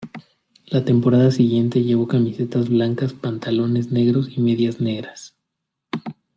La temporada siguiente, llevó camisetas blancas, pantalones negros y medias negras.